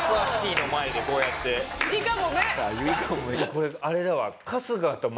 これあれだわ。